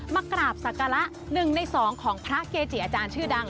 มากราบศักระ๑ใน๒ของพระเกจิอาจารย์ชื่อดัง